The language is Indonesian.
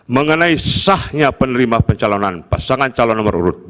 mengenai sahnya penerima pencalonan pasangan calon nomor urut dua